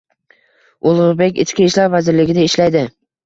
Ulug'bek ichki ishlar vazirligida ishlaydi